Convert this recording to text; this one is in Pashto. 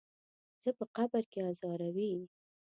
زه په قبر کې ازاروي.